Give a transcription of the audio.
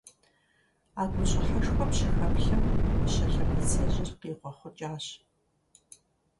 А гущӀыхьэшхуэм щыхэплъэм, Мыщэ лъэбыцэжьыр къигъуэхъукӀащ.